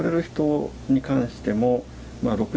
pemerintah menurut peneliti